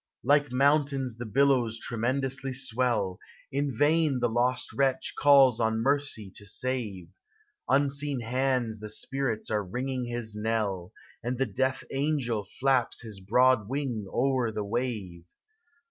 Like mountains the billows tremendously swell; In vain the lost wretch calls on mercy to save; Unseen hands of spirits are ringing his knell, And the death angel flaps his broad wing o'er the wave!